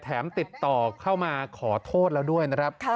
ติดต่อเข้ามาขอโทษแล้วด้วยนะครับ